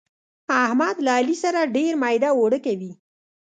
احمد له علي سره ډېر ميده اوړه کوي.